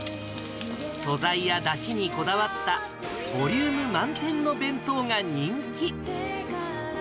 素材やだしにこだわった、ボリューム満点の弁当が人気。